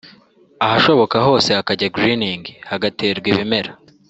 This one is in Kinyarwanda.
ahashoboka hose hakajya ‘greening’ [hagaterwa ibimera]